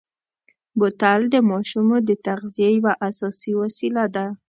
بوتل د ماشومو د تغذیې یوه اساسي وسیله ده.